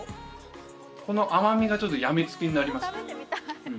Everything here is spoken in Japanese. この甘みがちょっとやみつきになりますね